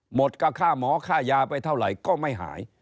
หมดกับค่าหมอค่ายาไปเท่าไหร่ก็ไม่หาย